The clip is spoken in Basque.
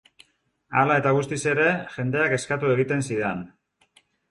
Hala eta guztiz ere, jendeak eskatu egiten zidan.